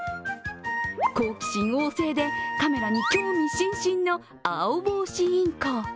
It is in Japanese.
好奇心旺盛でカメラに興味津々のアオボウシインコ。